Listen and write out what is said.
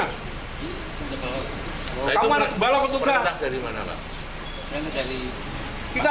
kamu balok atau enggak